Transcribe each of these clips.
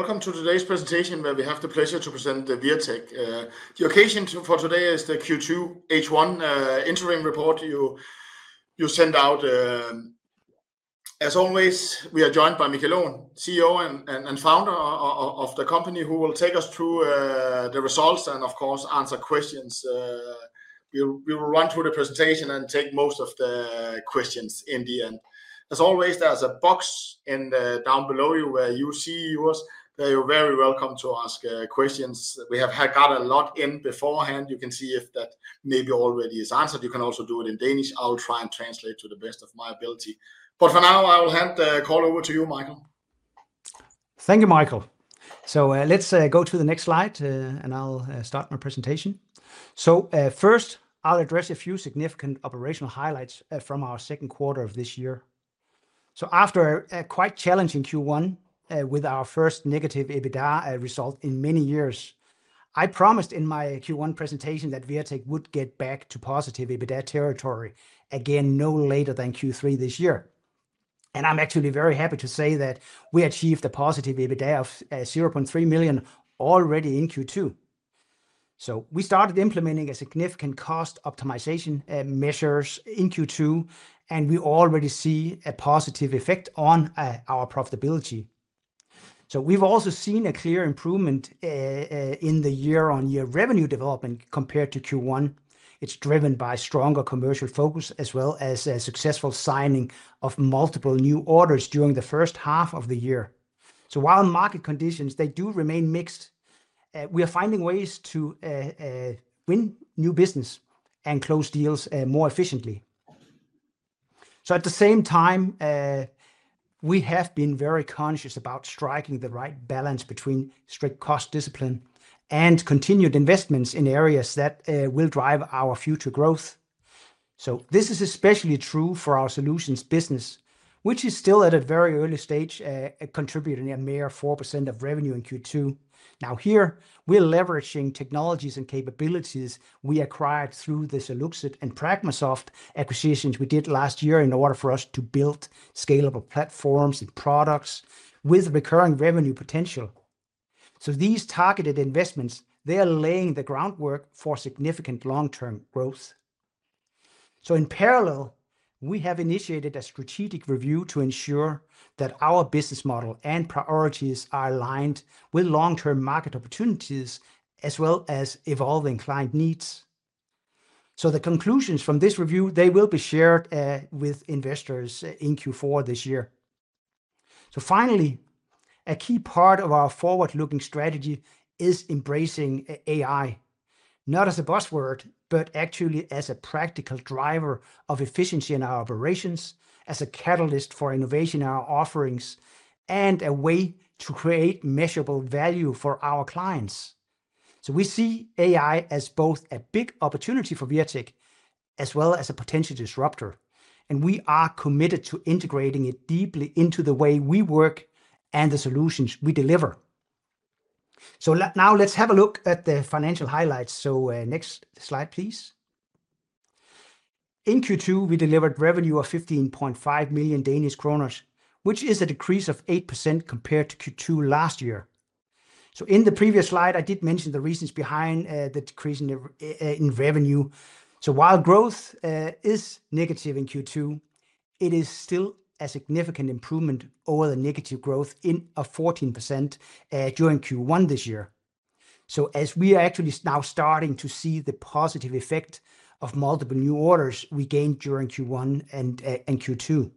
Welcome to today's presentation where we have the pleasure to present Wirtek. The occasion for today is the Q2 H1 interim report you sent out. As always, we are joined by Michael Aaen, CEO and founder of the company, who will take us through the results and, of course, answer questions. We will run through the presentation and take most of the questions in the end. As always, there's a box down below you where you see yours. You're very welcome to ask questions. We have got a lot in beforehand. You can see if that maybe already is answered. You can also do it in Danish. I'll try and translate to the best of my ability. For now, I will hand the call over to you, Michael. Thank you, Michael. Let's go to the next slide, and I'll start my presentation. First, I'll address a few significant operational highlights from our second quarter of this year. After a quite challenging Q1 with our first negative EBITDA result in many years, I promised in my Q1 presentation that Wirtek would get back to positive EBITDA territory again, no later than Q3 this year. I'm actually very happy to say that we achieved a positive EBITDA of 0.3 million already in Q2. We started implementing significant cost optimization measures in Q2, and we already see a positive effect on our profitability. We've also seen a clear improvement in the year-on-year revenue development compared to Q1. It's driven by stronger commercial focus as well as a successful signing of multiple new orders during the first half of the year. While market conditions do remain mixed, we are finding ways to win new business and close deals more efficiently. At the same time, we have been very conscious about striking the right balance between strict cost discipline and continued investments in areas that will drive our future growth. This is especially true for our solutions business, which is still at a very early stage, contributing a mere 4% of revenue in Q2. Here we're leveraging technologies and capabilities we acquired through the Seluxit and Pragmasoft acquisitions we did last year in order for us to build scalable platforms and products with recurring revenue potential. These targeted investments are laying the groundwork for significant long-term growth. In parallel, we have initiated a strategic review to ensure that our business model and priorities are aligned with long-term market opportunities as well as evolving client needs. The conclusions from this review will be shared with investors in Q4 this year. Finally, a key part of our forward-looking strategy is embracing AI, not as a buzzword, but actually as a practical driver of efficiency in our operations, as a catalyst for innovation in our offerings, and a way to create measurable value for our clients. We see AI as both a big opportunity for Wirtek as well as a potential disruptor, and we are committed to integrating it deeply into the way we work and the solutions we deliver. Now, let's have a look at the financial highlights. Next slide, please. In Q2, we delivered revenue of 15.5 million Danish kroner, which is a decrease of 8% compared to Q2 last year. In the previous slide, I did mention the reasons behind the decrease in revenue. While growth is negative in Q2, it is still a significant improvement over the negative growth of 14% during Q1 this year. We are actually now starting to see the positive effect of multiple new orders we gained during Q1 and Q2.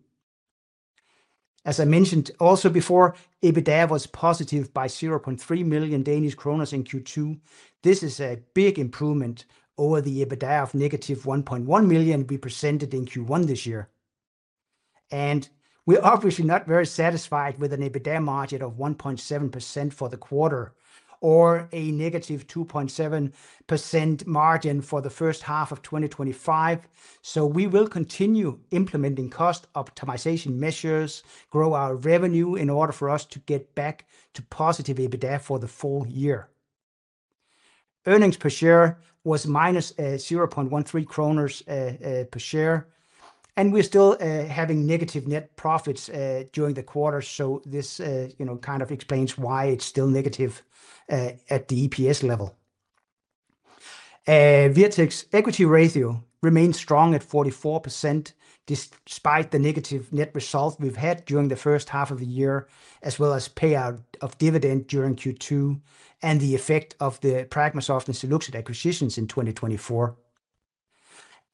As I mentioned also before, EBITDA was positive by 0.3 million Danish kroner in Q2. This is a big improvement over the EBITDA of negative 1.1 million we presented in Q1 this year. We're obviously not very satisfied with an EBITDA margin of 1.7% for the quarter or a negative 2.7% margin for the first half of 2025. We will continue implementing cost optimization measures, grow our revenue in order for us to get back to positive EBITDA for the full year. Earnings per share was minus 0.13 kroner per share, and we're still having negative net profits during the quarter. This kind of explains why it's still negative at the EPS level. Wirtek's equity ratio remains strong at 44% despite the negative net results we've had during the first half of the year, as well as payout of dividend during Q2 and the effect of the Pragmasoft and Seluxit acquisitions in 2024.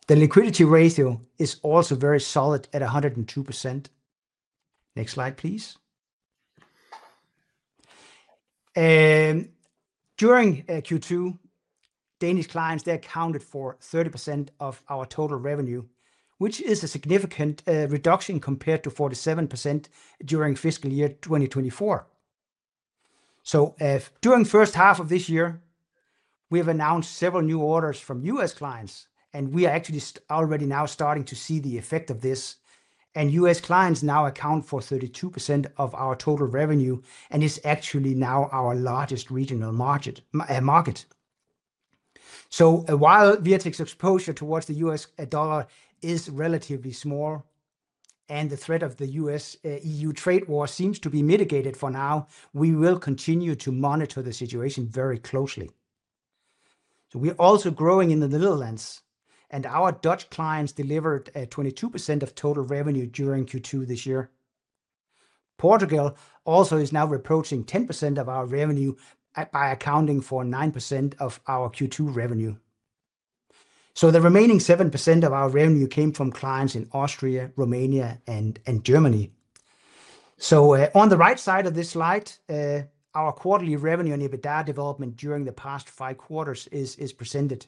The liquidity ratio is also very solid at 102%. Next slide, please. During Q2, Danish clients accounted for 30% of our total revenue, which is a significant reduction compared to 47% during fiscal year 2024. During the first half of this year, we've announced several new orders from U.S. clients, and we are actually already now starting to see the effect of this. U.S. clients now account for 32% of our total revenue and is actually now our largest regional market. While Wirtek's exposure towards the U.S. dollar is relatively small and the threat of the U.S.-EU trade war seems to be mitigated for now, we will continue to monitor the situation very closely. We're also growing in the Netherlands, and our Dutch clients delivered 22% of total revenue during Q2 this year. Portugal also is now approaching 10% of our revenue by accounting for 9% of our Q2 revenue. The remaining 7% of our revenue came from clients in Austria, Romania, and Germany. On the right side of this slide, our quarterly revenue and EBITDA development during the past five quarters is presented.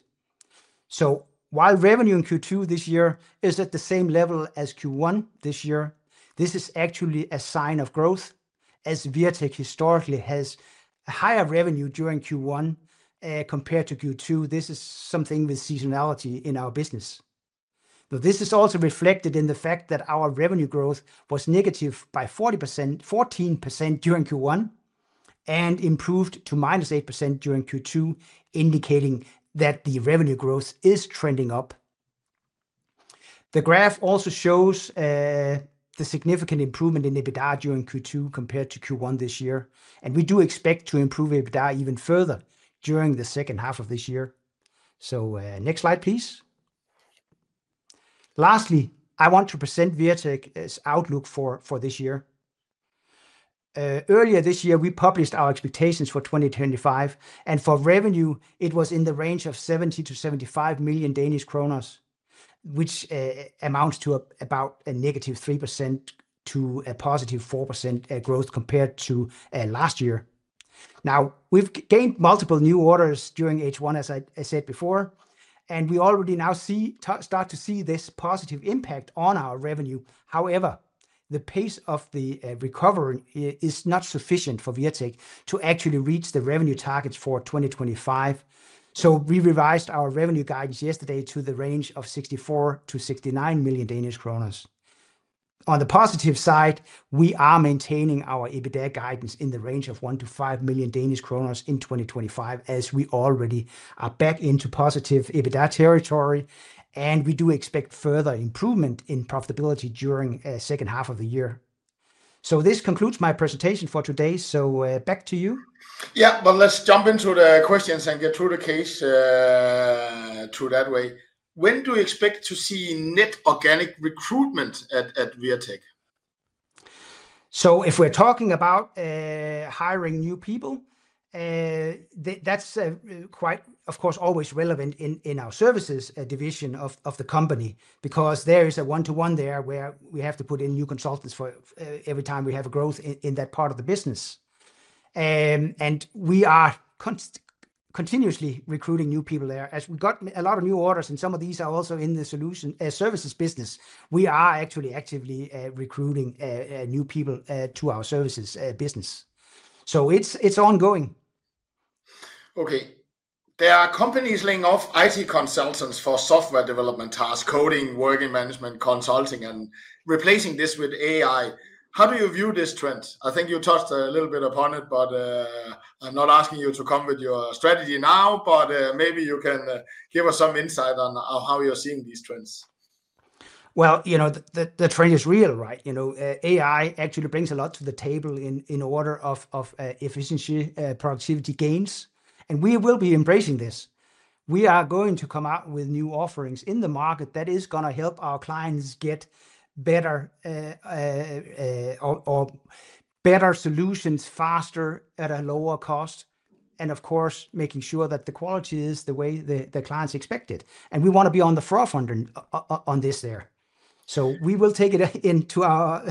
While revenue in Q2 this year is at the same level as Q1 this year, this is actually a sign of growth as Wirtek historically has a higher revenue during Q1 compared to Q2. This is something with seasonality in our business. This is also reflected in the fact that our revenue growth was negative by 14% during Q1 and improved to -8% during Q2, indicating that the revenue growth is trending up. The graph also shows the significant improvement in EBITDA during Q2 compared to Q1 this year, and we do expect to improve EBITDA even further during the second half of this year. Next slide, please. Lastly, I want to present Wirtek's outlook for this year. Earlier this year, we published our expectations for 2025, and for revenue, it was in the range of 70 million-75 million Danish kroner, which amounts to about a -3% to a +4% growth compared to last year. Now, we've gained multiple new orders during H1, as I said before, and we already now start to see this positive impact on our revenue. However, the pace of the recovery is not sufficient for Wirtek to actually reach the revenue targets for 2025. We revised our revenue guidance yesterday to the range of 64 million-69 million Danish kroner. On the positive side, we are maintaining our EBITDA guidance in the range of 1 million-5 million Danish kroner in 2025, as we already are back into positive EBITDA territory, and we do expect further improvement in profitability during the second half of the year. This concludes my presentation for today. Back to you. Yeah, let's jump into the questions and get through the case that way. When do you expect to see net organic recruitment at Wirtek? If we're talking about hiring new people, that's quite, of course, always relevant in our services division of the company because there is a one-to-one there where we have to put in new consultants every time we have a growth in that part of the business. We are continuously recruiting new people there. As we got a lot of new orders, and some of these are also in the solution services business, we are actually actively recruiting new people to our services business. It's ongoing. Okay. There are companies laying off IT consultants for software development tasks, coding, working management, consulting, and replacing this with AI. How do you view this trend? I think you touched a little bit upon it, but I'm not asking you to come with your strategy now, but maybe you can give us some insight on how you're seeing these trends. The trend is real, right? You know AI actually brings a lot to the table in order of efficiency and productivity gains, and we will be embracing this. We are going to come out with new offerings in the market that are going to help our clients get better solutions faster at a lower cost, and of course, making sure that the quality is the way the clients expect it. We want to be on the forefront on this there. We will take it into our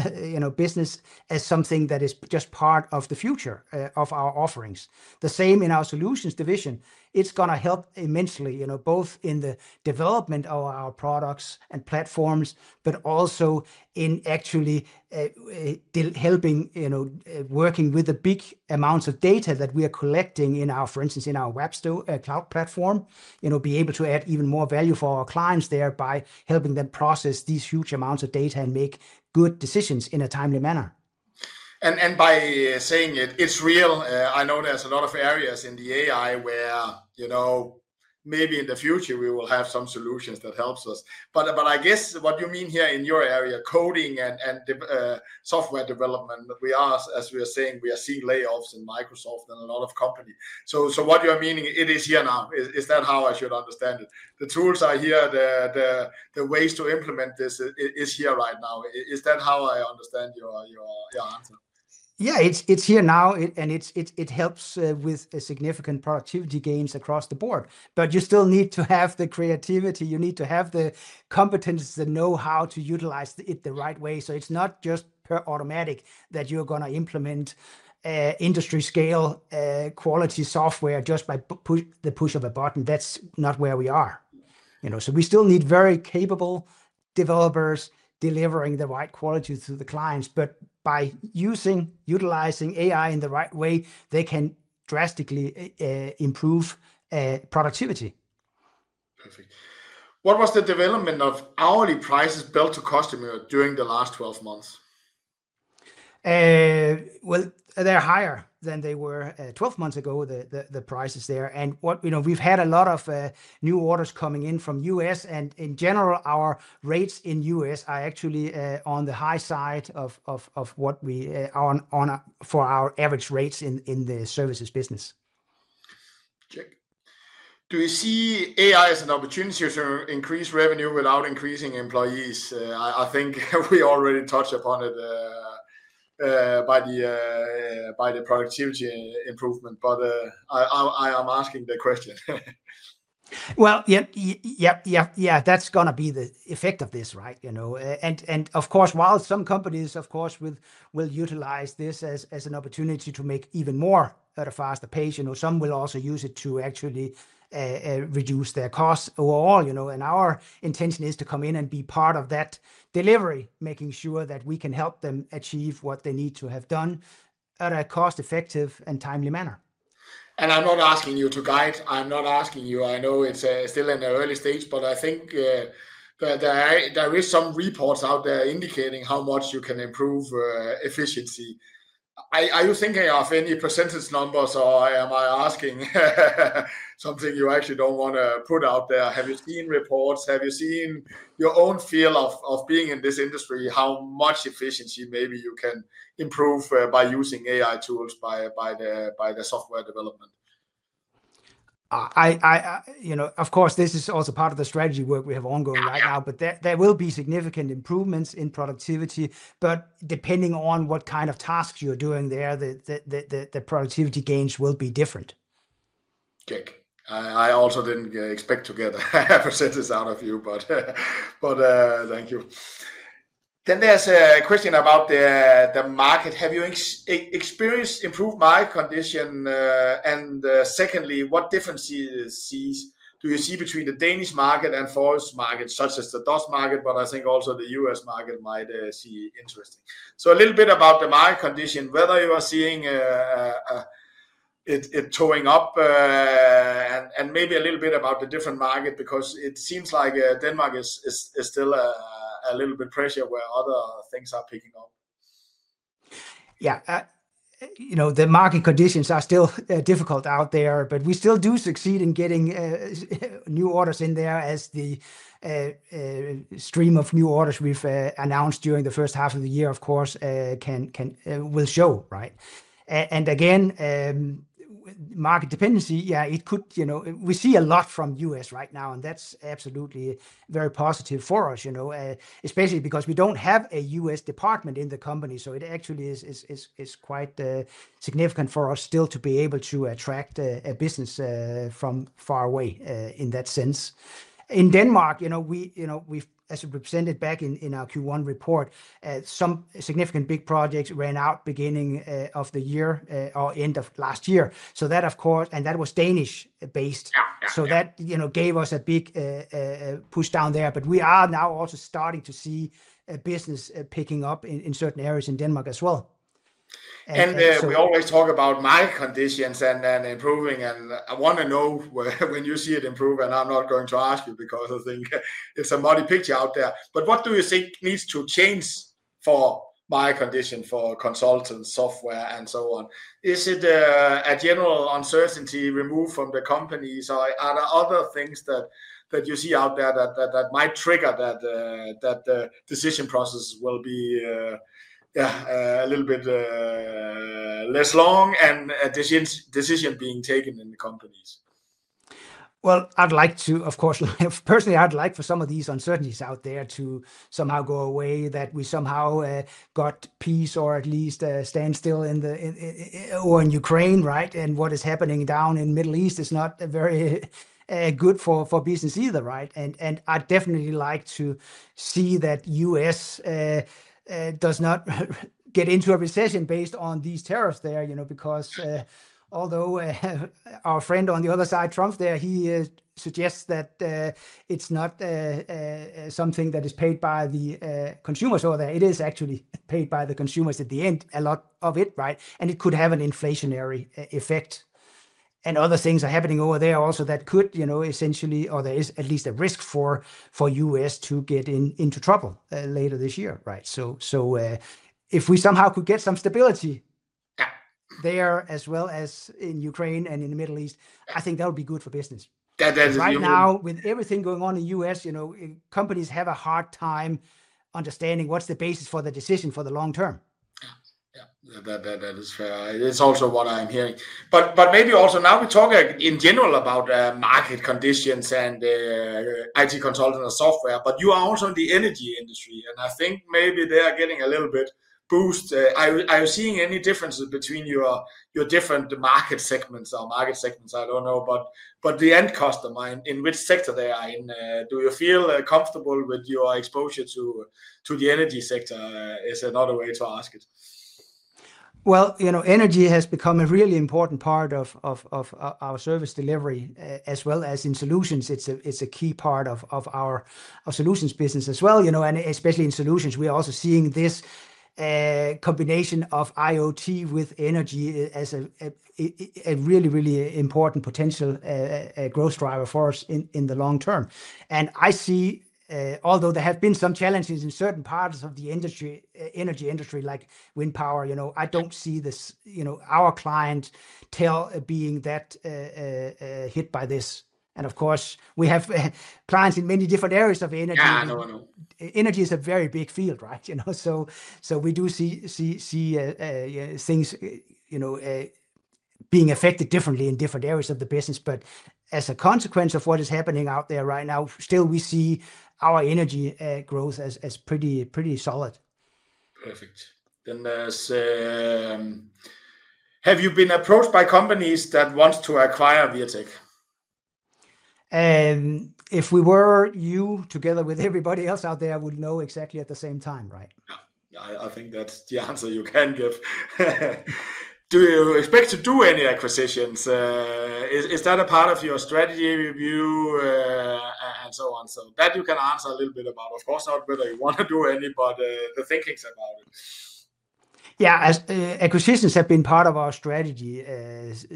business as something that is just part of the future of our offerings. The same in our solutions division.It's going to help immensely, both in the development of our products and platforms, but also in actually helping working with the big amounts of data that we are collecting in our, for instance, in our web cloud platform, be able to add even more value for our clients there by helping them process these huge amounts of data and make good decisions in a timely manner. By saying it, it's real. I know there's a lot of areas in AI where, you know, maybe in the future we will have some solutions that help us. I guess what you mean here in your area, coding and software development, we are, as we are saying, we are seeing layoffs in Microsoft and a lot of companies. What you're meaning, it is here now. Is that how I should understand it? The tools are here. The ways to implement this is here right now. Is that how I understand your answer? Yeah, it's here now, and it helps with significant productivity gains across the board. You still need to have the creativity. You need to have the competence to know how to utilize it the right way. It's not just automatic that you're going to implement industry scale quality software just by the push of a button. That's not where we are. We still need very capable developers delivering the right quality to the clients, but by utilizing AI in the right way, they can drastically improve productivity. What was the development of hourly prices billed to customer during the last 12 months? They're higher than they were 12 months ago, the prices there. We've had a lot of new orders coming in from the U.S., and in general, our rates in the U.S. are actually on the high side of what we are on for our average rates in the services business. Check. Do you see AI as an opportunity to increase revenue without increasing employees? I think we already touched upon it by the productivity improvement, but I am asking the question. That's going to be the effect of this, right? Of course, while some companies will utilize this as an opportunity to make even more at a faster pace, some will also use it to actually reduce their costs overall. Our intention is to come in and be part of that delivery, making sure that we can help them achieve what they need to have done in a cost-effective and timely manner. I'm not asking you to guide. I know it's still in the early stage, but I think there are some reports out there indicating how much you can improve efficiency. Are you thinking of any percentage numbers, or am I asking something you actually don't want to put out there? Have you seen reports? Have you seen your own feel of being in this industry, how much efficiency maybe you can improve by using AI tools by the software development? Of course, this is also part of the strategy work we have ongoing right now, but there will be significant improvements in productivity. Depending on what kind of tasks you're doing there, the productivity gains will be different. Check. I also didn't expect to get a percentage out of you, but thank you. There's a question about the market. Have your experience improved my condition? Secondly, what differences do you see between the Danish market and foreign market, such as the IoT market? I think also the US market might see interest. A little bit about the market condition, whether you are seeing it towing up, and maybe a little bit about the different market because it seems like Denmark is still a little bit pressured where other things are picking up. Yeah, the market conditions are still difficult out there, but we still do succeed in getting new orders in there as the stream of new orders we've announced during the first half of the year, of course, will show. Right? Market dependency, yeah, we see a lot from the U.S. right now, and that's absolutely very positive for us, especially because we don't have a U.S. department in the company. It actually is quite significant for us still to be able to attract business from far away in that sense. In Denmark, as we presented back in our Q1 report, some significant big projects ran out beginning of the year or end of last year. That, of course, was Danish based. That gave us a big push down there, but we are now also starting to see business picking up in certain areas in Denmark as well. We always talk about my conditions and improving, and I want to know when you see it improve. I'm not going to ask you because I think it's a muddy picture out there. What do you think needs to change for my condition for consultants, software, and so on? Is it a general uncertainty removed from the companies? Are there other things that you see out there that might trigger that the decision process will be a little bit less long and a decision being taken in the companies? I’d like for some of these uncertainties out there to somehow go away, that we somehow got peace or at least standstill in the war in Ukraine. What is happening down in the Middle East is not very good for business either. I’d definitely like to see that the U.S. does not get into a recession based on these tariffs there, you know, because although our friend on the other side, Trump, he suggests that it’s not something that is paid by the consumers over there. It is actually paid by the consumers at the end, a lot of it. It could have an inflationary effect. Other things are happening over there also that could, you know, essentially, or there is at least a risk for the U.S. to get into trouble later this year. If we somehow could get some stability there as well as in Ukraine and in the Middle East, I think that would be good for business. That is good. Right now, with everything going on in the U.S., you know, companies have a hard time understanding what's the basis for the decision for the long term. Yeah, that is fair. It's also what I'm hearing. Maybe also now we talk in general about market conditions and IT consultant or software, but you are also in the energy industry, and I think maybe they are getting a little bit boost. Are you seeing any differences between your different market segments? I don't know, but the end customer, in which sector they are in, do you feel comfortable with your exposure to the energy sector? Is another way to ask it? Energy has become a really important part of our service delivery as well as in solutions. It's a key part of our solutions business as well. Especially in solutions, we are also seeing this combination of IoT with energy as a really, really important potential growth driver for us in the long term. I see, although there have been some challenges in certain parts of the energy industry, like wind power, I don't see this, our clientele being that hit by this. Of course, we have clients in many different areas of energy. I don't know. Energy is a very big field, right? We do see things being affected differently in different areas of the business. As a consequence of what is happening out there right now, we still see our energy growth as pretty solid. Perfect. Have you been approached by companies that want to acquire Wirtek? If we were you, together with everybody else out there, we'd know exactly at the same time, right? I think that's the answer you can give. Do you expect to do any acquisitions? Is that a part of your strategy review and so on? You can answer a little bit about, of course, not whether you want to do any, but the thinkings about it. Yeah, acquisitions have been part of our strategy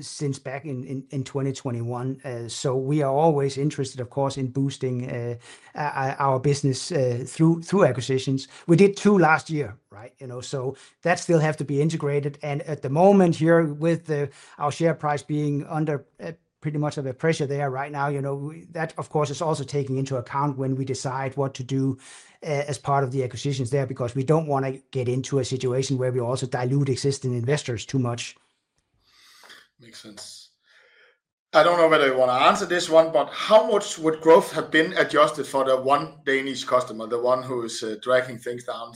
since back in 2021. We are always interested, of course, in boosting our business through acquisitions. We did two last year, right? That still has to be integrated. At the moment, with our share price being under pretty much of a pressure right now, that, of course, is also taken into account when we decide what to do as part of the acquisitions because we don't want to get into a situation where we also dilute existing investors too much. Makes sense. I don't know whether you want to answer this one, but how much would growth have been adjusted for the one Danish customer, the one who is dragging things down?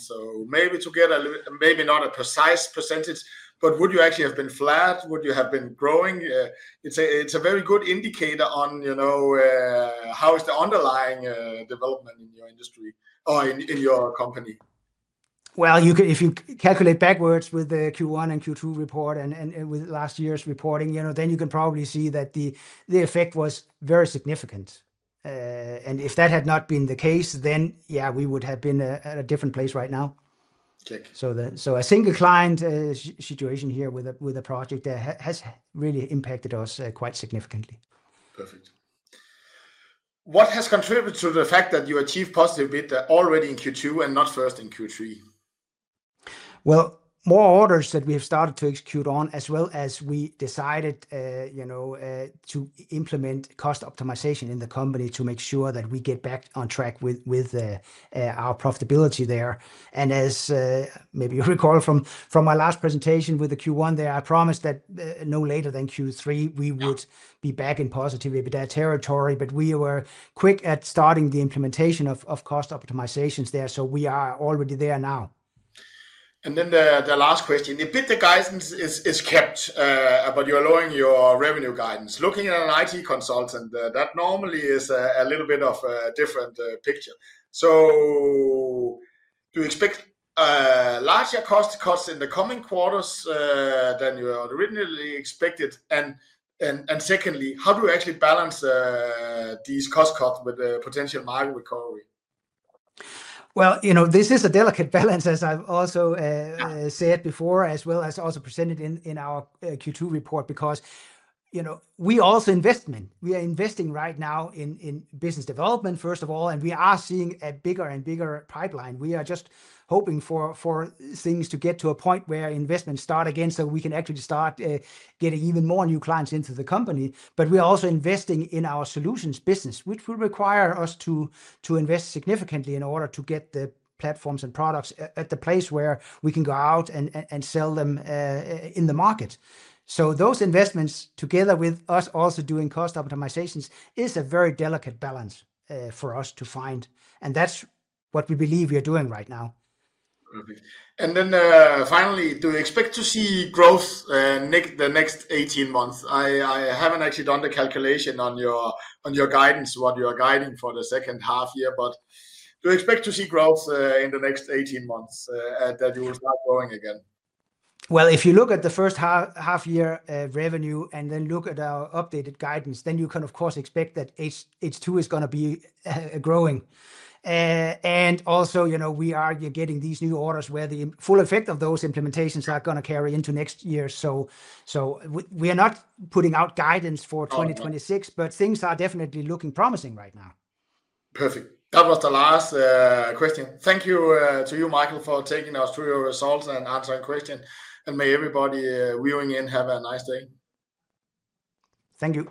Maybe to get a, maybe not a precise percentage, but would you actually have been flat? Would you have been growing? It's a very good indicator on how is the underlying development in your industry or in your company? If you calculate backwards with the Q1 and Q2 report and with last year's reporting, you know, you can probably see that the effect was very significant. If that had not been the case, we would have been at a different place right now. A single client situation here with a project has really impacted us quite significantly. Perfect. What has contributed to the fact that you achieved positive EBITDA already in Q2 and not first in Q3? More orders that we have started to execute on, as well as we decided, you know, to implement cost optimization in the company to make sure that we get back on track with our profitability there. As maybe you recall from my last presentation with the Q1 there, I promised that no later than Q3 we would be back in positive EBITDA territory, but we were quick at starting the implementation of cost optimizations there. We are already there now. The last question, the EBITDA guidance is kept, but you're lowering your revenue guidance. Looking at an IT consultant, that normally is a little bit of a different picture. Do you expect larger cost cuts in the coming quarters than you originally expected? Secondly, how do you actually balance these cost cuts with the potential market recovery? This is a delicate balance, as I've also said before, as well as also presented in our Q2 report because we are also investing. We are investing right now in business development, first of all, and we are seeing a bigger and bigger pipeline. We are just hoping for things to get to a point where investments start again so we can actually start getting even more new clients into the company. We are also investing in our solutions business, which will require us to invest significantly in order to get the platforms and products at the place where we can go out and sell them in the market. Those investments together with us also doing cost optimizations is a very delicate balance for us to find. That's what we believe we are doing right now. Do you expect to see growth in the next 18 months? I haven't actually done the calculation on your guidance, what you are guiding for the second half year, but do you expect to see growth in the next 18 months that you start growing again? If you look at the first half year revenue and then look at our updated guidance, you can, of course, expect that H2 is going to be growing. Also, you know, we are getting these new orders where the full effect of those implementations are going to carry into next year. We are not putting out guidance for 2026, but things are definitely looking promising right now. Perfect. That was the last question. Thank you to you, Michael, for taking us through your results and answering questions. May everybody viewing in have a nice day. Thank you.